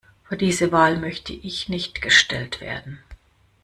Vor diese Wahl möchte ich nicht gestellt werden.